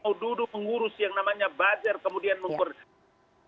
kita juga harus mengerti bahwa di negara demokrasi kemudian ada orang orang yang mengurus bazar ini